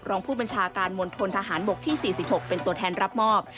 รองผู้บัญชาการมณฑนทหารบกที่๔๖เป็นตัวแทนรับมอบ